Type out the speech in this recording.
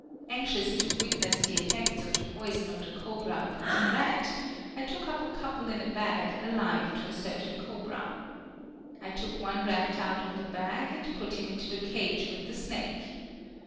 Anxious to witness the effects of the poison of the cobra upon a rat, I took up a couple in a bag alive to a certain cobra. I took one rat out of the bag and put him into the cage with the snake.